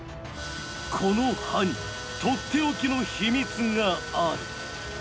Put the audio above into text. この刃にとっておきの秘密がある。